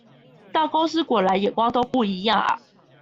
大公司果然眼光都不一樣啊！